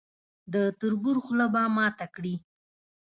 د تربور خوله به ماته کړي.